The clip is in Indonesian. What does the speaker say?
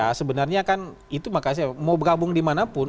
ya sebenarnya kan itu makanya saya mau bergabung dimanapun